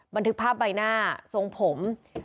บันทึกภาพใบหน้าทรงผม